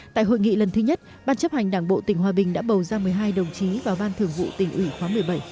tại hội nghị lần thứ nhất ban chấp hành đảng bộ tỉnh hòa bình đã bầu ra một mươi hai đồng chí vào ban thường vụ tỉnh ủy khóa một mươi bảy